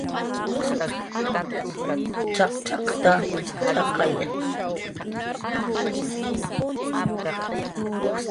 "cx""aqcx""aqta, cx'aqaya"